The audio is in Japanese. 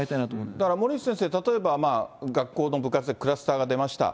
だから森内先生、例えば学校の部活でクラスターが出ました。